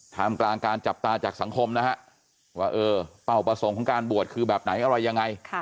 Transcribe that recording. ทำกลางการจับตาจากสังคมนะฮะว่าเออเป้าประสงค์ของการบวชคือแบบไหนอะไรยังไง